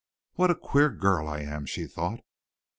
"What a queer girl I am," she thought.